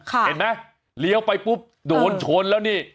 เห็นไหมเลี้ยวไปปุ๊บโดนชนแล้วนี่